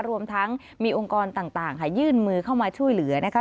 รวมทั้งมีองค์กรต่างค่ะยื่นมือเข้ามาช่วยเหลือนะคะ